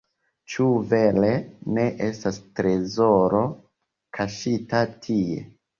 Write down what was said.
Ĉu vere ne estas trezoro, kaŝita tie?